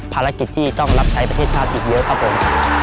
ภารกิจที่ต้องรับใช้ประเทศชาติอีกเยอะครับผม